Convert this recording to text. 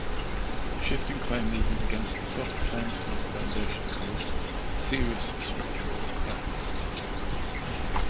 The shifting clay movement against the soft sandstone foundation caused serious structural cracks.